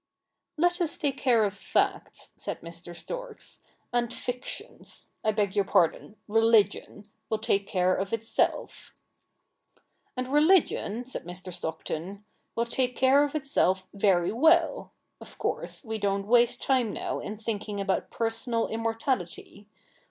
CH. Ill] THE NEW REPUBLIC 47 ' Let us take care of facts,' said Mr Storks, ' and fictions — I beg }our pardon, religion — will take care of itself.' ' And religion,' said Mr. Stockton, ' will take care of itself very well. Of course we don't waste time now in thinking about personal immortality.